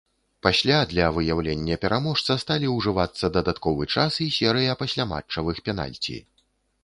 Пасля для выяўлення пераможца сталі ўжывацца дадатковы час і серыя пасляматчавых пенальці.